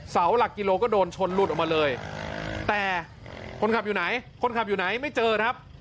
เสาหลักกิโลก็โดนชนหลุดออกมาเลยแต่คนขับอยู่ไหนคนขับอยู่ไหนไม่เจอครับ